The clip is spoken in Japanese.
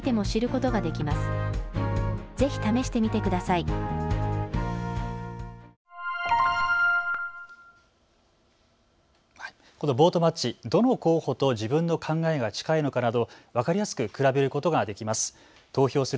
このボートマッチ、どの候補と自分の考えが近いのかなど分かりやすく比べることができます。